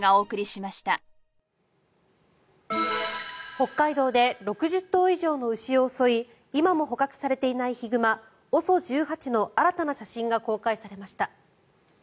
北海道で６０頭以上の牛を襲い今も捕獲されていないヒグマＯＳＯ１８の新たな写真が公開されました。